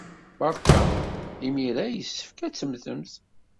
Beṛka! Imir-a yessefk ad temmtemt.